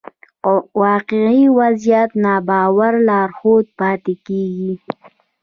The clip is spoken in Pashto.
واقعي وضعيت ناباور لارښود پاتې کېږي.